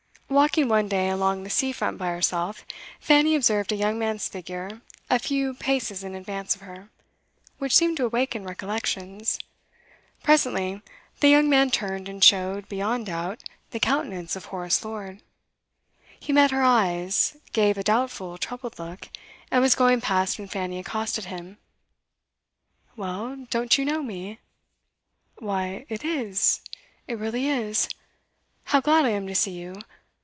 Walking one day along the sea front by herself, Fanny observed a young man's figure a few paces in advance of her, which seemed to awaken recollections. Presently the young man turned and showed, beyond doubt, the countenance of Horace Lord. He met her eyes, gave a doubtful, troubled look, and was going past when Fanny accosted him. 'Well, don't you know me?' 'Why, it is it really is! How glad I am to see you!